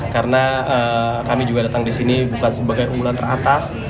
karena kami juga datang disini bukan sebagai umuran teratas